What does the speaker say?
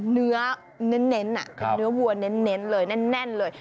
เนื้อเน้นเป็นเนื้อวัวเน้นเลยแน่นเลย